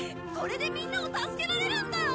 これでみんなを助けられるんだ！